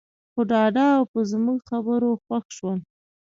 خو ډاډه او په زموږ خبرو خوښ شول.